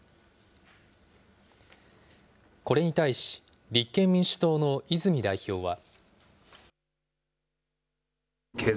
これに対し立憲民主党の泉代表は。